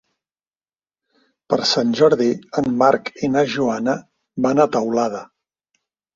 Per Sant Jordi en Marc i na Joana van a Teulada.